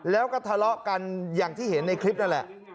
แล้วก็ทะเลาะกันอย่างที่เห็นในคลิปนั่นแหละ